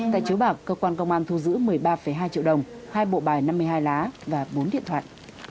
tại chiếu bạc cơ quan công an thu giữ một mươi ba hai triệu đồng hai bộ bài năm mươi hai lá và bốn điện thoại